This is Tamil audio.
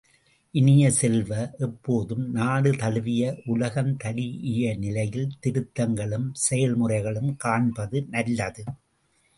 இனிய செல்வ, எப்போதும் நாடு தழுவிய, உலகந்தழீஇய நிலையில் திருத்தங்களும் செயல்முறைகளும் காண்பது நல்லது.